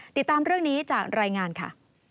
ติดตามเรื่องนี้จากรายงานค่ะ